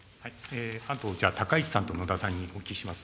あと、じゃあ、高市さんと野田さんにお聞きします。